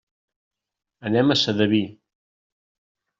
Anem a Sedaví.